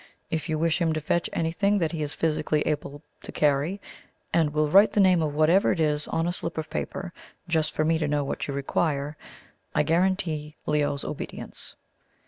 If you wish him to fetch anything that he is physically able to carry, and will write the name of whatever it is on a slip of paper, just for me to know what you require, I guarantee Leo's obedience."